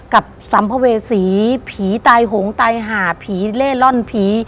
สัมภเวษีผีตายหงตายหาผีเล่ร่อนผี